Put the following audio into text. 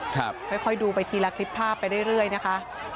ค่อยดูไปทีละคลิปภาพไปเรื่อยนะคะ